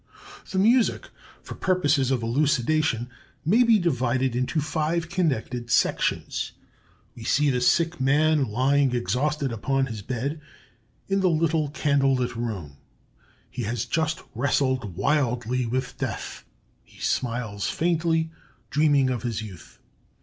The music, for purposes of elucidation, may be divided into five (connected) sections: We see the sick man lying exhausted upon his bed in the little candle lit room; he has just wrestled wildly with Death. He smiles faintly, dreaming of his youth.